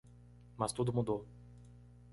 Mas tudo mudou.